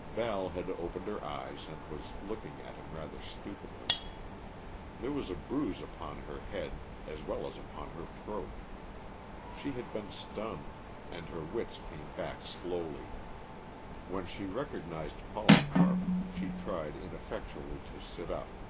Val had opened her eyes and was looking at him rather stupidly. There was a bruise upon her head, as well as upon her throat. She had been stunned, and her wits came back slowly. When she recognized Polycarp, she tried ineffectually to sit up.